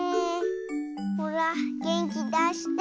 ほらげんきだして。